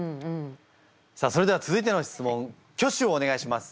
さあそれでは続いての質問挙手をお願いします。